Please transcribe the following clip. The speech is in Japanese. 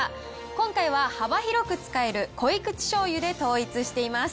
今回は幅広く使える濃い口醤油で統一しています。